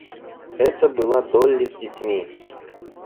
Это была Долли с детьми.